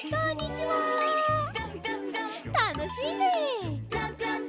たのしいね！